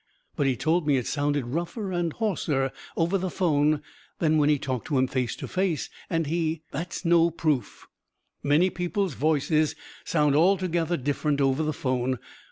But he told me it sounded rougher and hoarser over the phone than when he talked to him face to face. And he " "That's no proof. Many people's voices sound altogether different over the phone.